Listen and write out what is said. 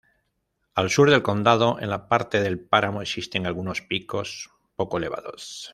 Al sur del condado, en la parte del páramo existen algunos picos poco elevados.